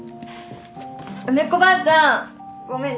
梅子ばあちゃんごめん